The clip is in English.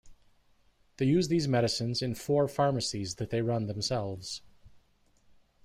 They use these medicines in four pharmacies that they run themselves.